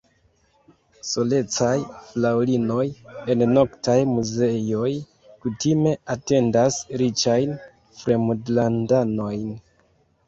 Solecaj fraŭlinoj en noktaj amuzejoj kutime atendas riĉajn fremdlandanojn.